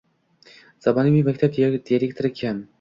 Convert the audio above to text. Zamonaviy maktab direktori kim?